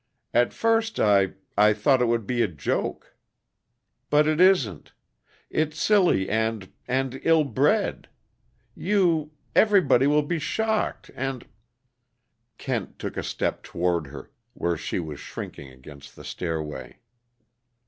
At first I I thought it would be a joke, but it isn't; it's silly and, and ill bred. You everybody will be shocked, and " Kent took a step toward her, where she was shrinking against the stairway.